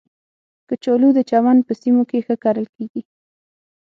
کچالو د چمن په سیمو کې ښه کرل کېږي